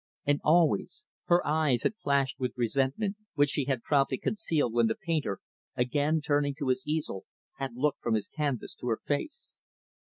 And, always, her eyes had flashed with resentment, which she had promptly concealed when the painter, again turning to his easel, had looked from his canvas to her face.